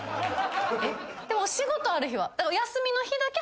でもお仕事ある日は。